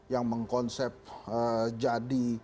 yang mengkonsep jadi